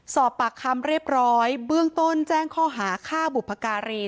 สอบปากคำเรียบร้อยเบื้องต้นแจ้งข้อหาฆ่าบุพการี